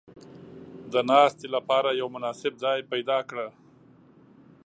• د ناستې لپاره یو مناسب ځای پیدا کړه.